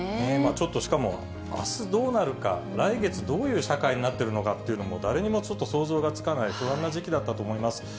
ちょっと、しかも、あすどうなるか、来月どういう社会になってるかというのも、誰にもちょっと想像がつかない不安な時期だったと思います。